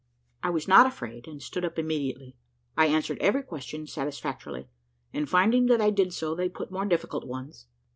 I was not afraid, and stood up immediately. I answered every question satisfactorily, and finding that I did so, they put more difficult ones.